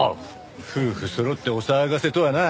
夫婦そろってお騒がせとはな。